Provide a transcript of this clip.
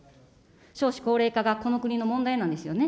少子高齢化が、この国の問題なんですよね。